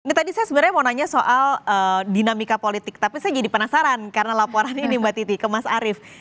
ini tadi saya sebenarnya mau nanya soal dinamika politik tapi saya jadi penasaran karena laporan ini mbak titi ke mas arief